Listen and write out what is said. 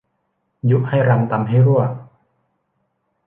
ยุให้รำ ตำให้รั่ว